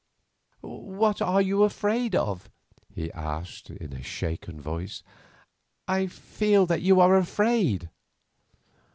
"What are you afraid of?" he asked in a shaken voice. "I feel that you are afraid."